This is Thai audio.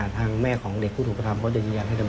ทางแม่ของเด็กควรถูกทอบถำเขาจึงยังทำต่ำ